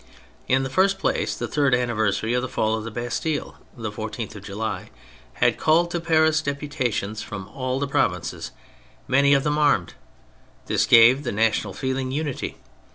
In the first place, the third anniversary of the Fall of the Bastille, the 14th of July, had called to Paris deputations from all the provinces, many of them armed; this gave the national feeling unity.